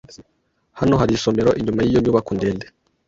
Hano hari isomero inyuma yiyo nyubako ndende.